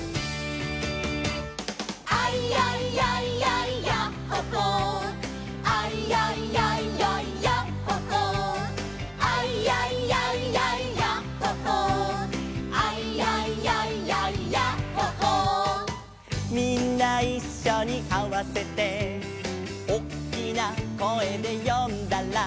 「アイヤイヤイヤイヤッホ・ホー」「アイヤイヤイヤイヤッホ・ホー」「アイヤイヤイヤイヤッホ・ホー」「アイヤイヤイヤイヤッホ・ホー」「みんないっしょにあわせて」「おっきな声で呼んだら」